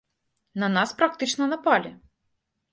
На нас практычна напалі!